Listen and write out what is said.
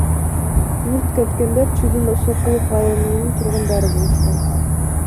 Мүрт кеткендер Чүйдүн Сокулук районунун тургундары болушкан.